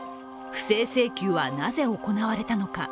不正請求はなぜ行われたのか？